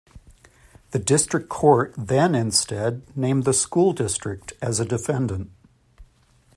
The District Court then instead named the school district as a defendant.